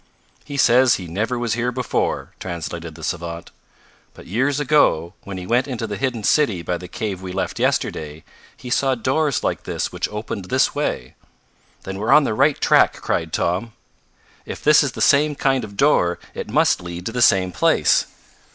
"He says he never was here before," translated the savant, "but years ago, when he went into the hidden city by the cave we left yesterday, he saw doors like this which opened this way." "Then we're on the right track!" cried Tom. "If this is the same kind of door, it must lead to the same place.